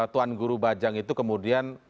tuan guru bajang itu kemudian